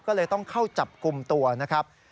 ก็เลยต้องเข้าจับกลุ่มตัวนะครับ